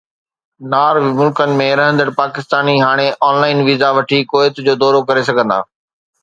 نار ملڪن ۾ رهندڙ پاڪستاني هاڻي آن لائن ويزا وٺي ڪويت جو دورو ڪري سگهندا